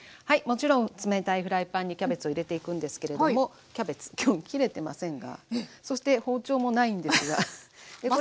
はいもちろん冷たいフライパンにキャベツを入れていくんですけれどもキャベツ今日切れてませんがそして包丁もないんですが。